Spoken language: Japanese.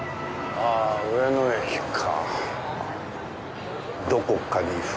『あゝ上野駅』か。